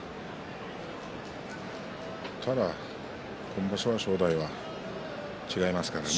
ただ今場所は正代は違いますからね。